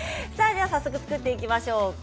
早速、作っていきましょう。